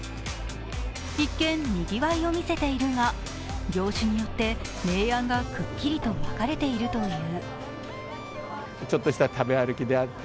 一見、にぎわいを見せているが業種によって明暗がくっきりと分かれているという。